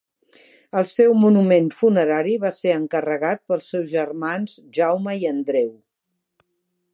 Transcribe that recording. El seu monument funerari va ser encarregat pels seus germans Jaume i Andreu.